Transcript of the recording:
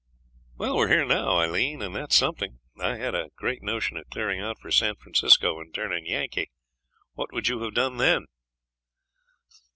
'Well, we're here now, Aileen, and that's something. I had a great notion of clearing out for San Francisco and turning Yankee. What would you have done then?'